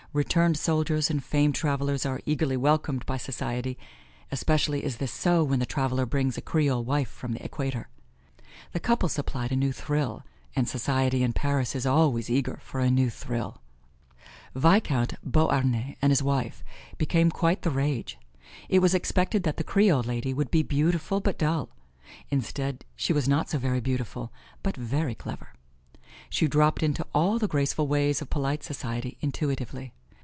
Returned soldiers and famed travelers are eagerly welcomed by society; especially is this so when the traveler brings a Creole wife from the Equator. The couple supplied a new thrill, and society in Paris is always eager for a new thrill. Vicomte Beauharnais and his wife became quite the rage. It was expected that the Creole lady would be beautiful but dull; instead, she was not so very beautiful, but very clever. She dropped into all the graceful ways of polite society intuitively.